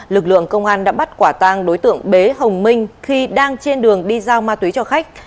lực lượng công an đã bắt quả tang đối tượng bế hồng minh khi đang trên đường đi giao ma túy cho khách